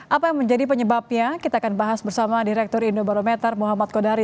apa yang menjadi penyebabnya kita akan bahas bersama direktur indobarometer muhammad kodari